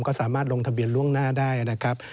ก็สามารถลงทะเบียนล่วงหน้าได้นะครับ